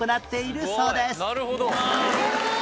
すごい。